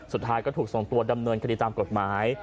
สุดท้ายก็ถูกส่งตัวดำเนินคดีตามกฎหมาย